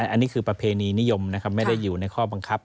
อันนี้คือประเพณีนิยมนะครับไม่ได้อยู่ในข้อบังคับ